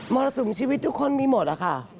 รสุมชีวิตทุกคนมีหมดอะค่ะ